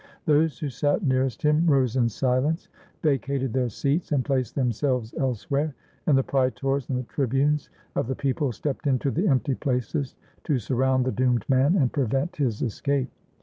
Those who sat nearest him rose in silence, vacated 427 ROME their seats, and placed themselves elsewhere, and the praetors and the tribunes of the people stepped into the empty places to surround the doomed man and prevent his escape.